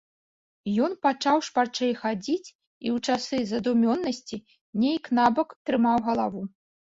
Ён пачаў шпарчэй хадзіць і ў часы задумёнасці нейк набок трымаў галаву.